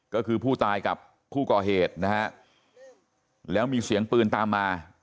ก็คือผู้ตายกับผู้ก่อเหตุนะฮะแล้วมีเสียงปืนตามมา